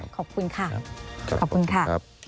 ขอบคุณค่ะ